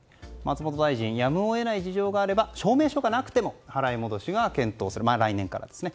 松本大臣やむを得ない事情があれば証明書がなくても払い戻しを検討すると来年からですね。